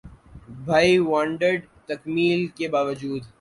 ’بھائی وانٹڈ‘ تکمیل کے باوجود